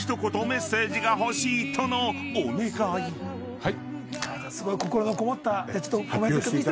はい！